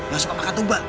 gak suka makan tumbang